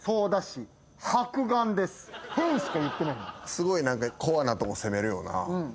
すごいコアなとこ攻めるよな。